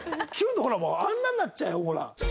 ほらもうあんなになっちゃうよほら。